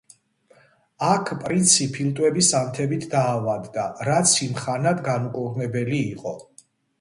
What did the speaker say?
აქ პრინცი ფილტვების ანთებით დაავადდა, რაც იმ ხანად განუკურნებელი იყო.